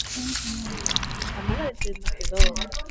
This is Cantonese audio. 打個冷震做老豆